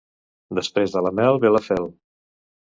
Després de la mel, ve la fel.